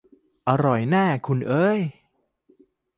"อร่อยแน่ คุณเอ๊ย !"